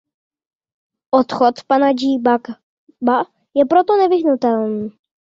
Odchod pana Gbagba je proto nevyhnutelný.